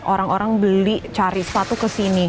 orang orang beli cari sepatu ke sini